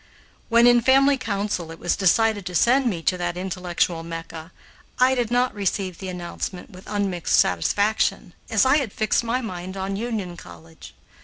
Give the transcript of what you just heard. When in family council it was decided to send me to that intellectual Mecca, I did not receive the announcement with unmixed satisfaction, as I had fixed my mind on Union College.